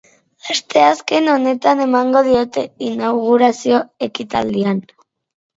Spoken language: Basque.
Asteazken honetan emango diote, inaugurazio ekitaldian.